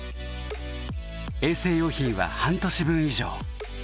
衛生用品は半年分以上。